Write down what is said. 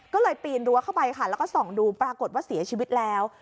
ก็เลยปีนรั้วเข้าไปค่ะแล้วก็ส่องดูปรากฏว่าเสียชีวิตแล้ว